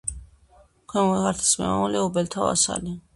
ქვემო ქართლის მემამულე, ორბელთა ვასალი.